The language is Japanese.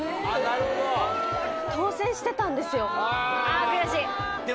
あ悔しい。